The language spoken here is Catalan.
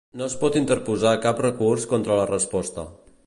No es pot interposar cap recurs contra la resposta.